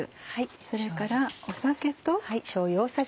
それから酒と。